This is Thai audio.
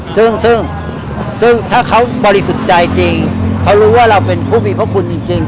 ซึ่งซึ่งถ้าเขาบริสุทธิ์ใจจริงเขารู้ว่าเราเป็นผู้มีพระคุณจริง